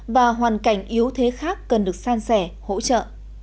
và hoàn cảnh yếu thế khác cần được san sẻ hỗ trợ